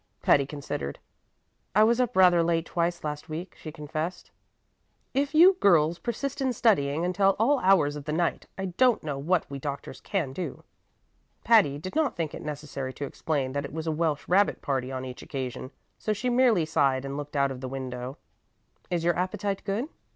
Patty considered. "I was up rather late twice last week," she confessed. "If you girls persist in studying until all hours of the night, I don't know what we doctors can do." Patty did not think it necessary to explain that it was a Welsh rabbit party on each occasion, so she merely sighed and looked out of the window. "Is your appetite good?"